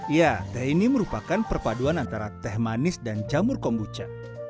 ya teh ini merupakan perpaduan antara teh manis dan jamur kombucha